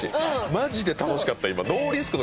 マジで楽しかった今。